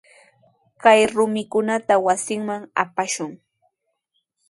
Kay rumikunata wasinman apashun.